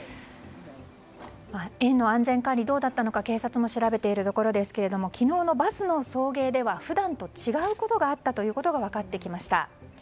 園の安全管理、どうだったのか警察も調べているところですが昨日のバスの送迎では普段と違うことがあったということが分かってきました。